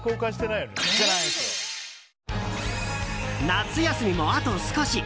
夏休みもあと少し。